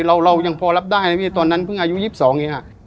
เรายังพอรับได้นะพี่ตอนนั้นเพิ่งอายุ๒๒เองค่ะ